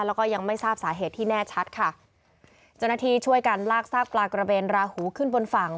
แล้วก็ยังไม่ทราบสาเหตุที่แน่ชัดค่ะเจ้าหน้าที่ช่วยกันลากซากปลากระเบนราหูขึ้นบนฝั่ง